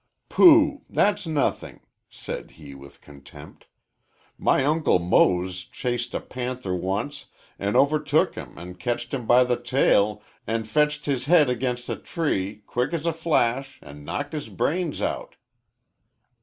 "Pooh! that's nothing," said he, with contempt. "My Uncle Mose chased a panther once an' overtook him and ketched him by the tail an' fetched his head agin a tree, quick as a flash, an' knocked his brains out."